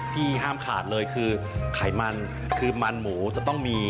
พี่ห้ามขาดเลยคือไขมันคือมันหมูจะต้องมี